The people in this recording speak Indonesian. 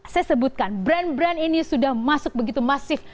saya sebutkan brand brand ini sudah masuk begitu masif